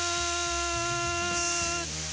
って